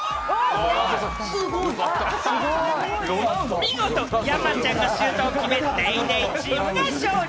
見事、山ちゃんがシュートを決め、ＤａｙＤａｙ．チームが勝利。